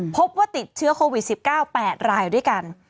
พบว่าติดเชื้อโควิด๑๙๘รายด้วยกัน